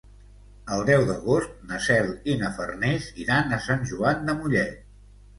El deu d'agost na Cel i na Farners iran a Sant Joan de Mollet.